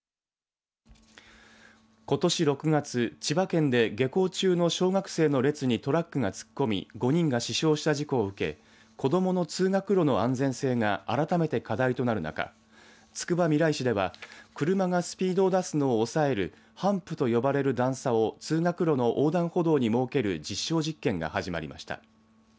ことし６月千葉県で下校中の小学生の列にトラックが突っ込み５人が死傷した事故を受け子どもの通学路の安全性が改めて課題となる中つくばみらい市では、車がスピードを出すのを抑えるハンプと呼ばれる段差を通学路の横断歩道に設ける実証実験が始まりました。